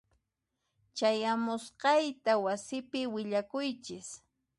Chayamusqayta wasipi willakuychis.